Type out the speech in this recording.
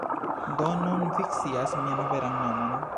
Do nun vi scias mian veran nomon.